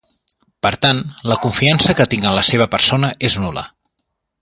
Per tant, la confiança que tinc en la seva persona és nul·la.